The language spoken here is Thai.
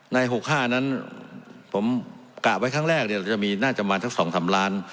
๖๕นั้นผมกะไว้ครั้งแรกจะมีน่าจะประมาณสัก๒๓ล้าน